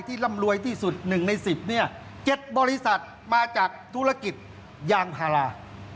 ที่รำรวยที่สุดหนึ่งในสิบเนี่ยเจ็ดบริษัทมาจากธุรกิจยางพารา